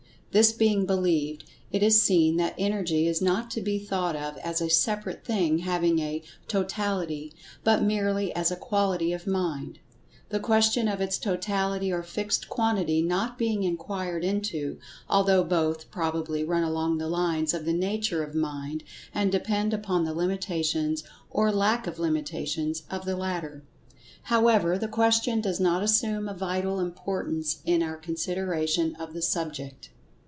This being believed, it is seen that Energy is not to be thought of as a separate thing having a "totality," but merely as a quality of Mind—the question of its totality or fixed quantity not being inquired into, although both, probably, run along the[Pg 116] lines of the nature of Mind, and depend upon the limitations, or lack of limitations, of the latter. However, the question does not assume a vital importance in our consideration of the subject.